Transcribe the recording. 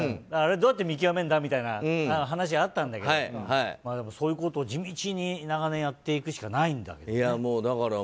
どうやって見極めるんだみたいな話はあったんだけどでも、そういうことを地道に長年やっていくしかないよね。